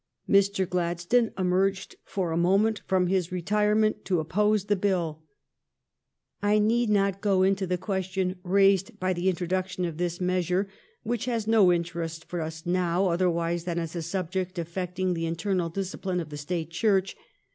Mr. Gladstone emerged for a moment from his retire ment to oppose the bill. I need not go into the question raised by the introduction of this meas ure, which has no interest for us now otherwise than as a subject affecting the internal discipline of the State Church.